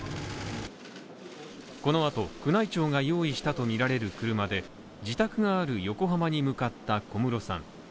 この後、宮内庁が用意したとみられる車で自宅がある横浜に向かった小室さん。